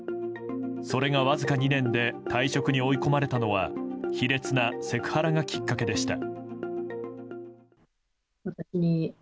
それが、わずか２年で退職に追い込まれたのは卑劣なセクハラがきっかけでした。